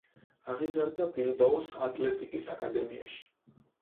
აღიზარდა ბილბაოს „ატლეტიკის“ აკადემიაში.